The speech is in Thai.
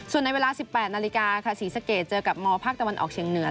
ส่วนในเวลา๑๘นาฬิกาค่ะศรีสะเกดเจอกับมภาคตะวันออกเชียงเหนือ